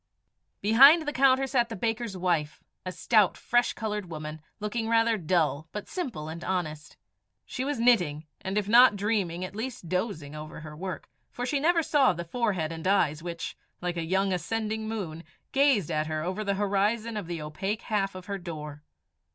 Behind the counter sat the baker's wife, a stout, fresh coloured woman, looking rather dull, but simple and honest. She was knitting, and if not dreaming, at least dozing over her work, for she never saw the forehead and eyes which, like a young ascending moon, gazed at her over the horizon of the opaque half of her door.